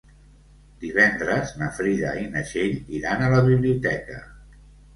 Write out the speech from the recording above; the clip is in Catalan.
Divendres na Frida i na Txell iran a la biblioteca.